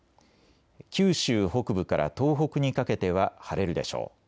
九州北部から東北にかけては晴れるでしょう。